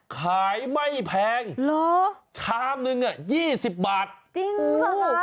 ขายไม่แพงชามนึง๒๐บาทโอ้โหจริงเหรอ